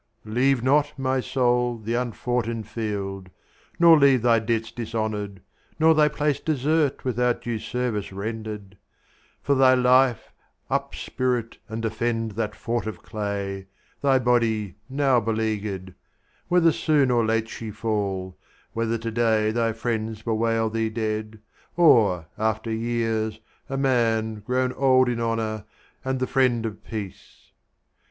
Leave not, my soul, the unfoughten field, nor leave Thy debts dishonoured, nor thy place desert Without due service rendered. For thy life, Up, spirit, and defend that fort of clay, Thy body, now beleaguered; whether soon Or late she fall; whether to day thy friends Bewail thee dead, or, after years, a man Grown old in honour and the friend of peace.